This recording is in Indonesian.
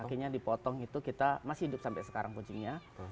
kakinya dipotong itu kita masih hidup sampai sekarang kucingnya